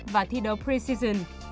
và thi đấu preseason